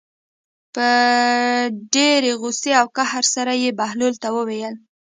په ډېرې غوسې او قهر سره یې بهلول ته وویل.